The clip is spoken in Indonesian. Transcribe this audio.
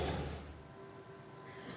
jadi kita harus berpikir pikir